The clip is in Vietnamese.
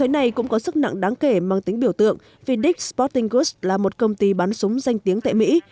hãng này cũng có sức nặng đáng kể mang tính biểu tượng vì dick s sporting goods là một công ty bán súng danh tiếng tại mỹ